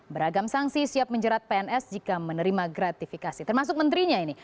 beragam sanksi siap menjerat pns jika menerima gratifikasi termasuk menterinya ini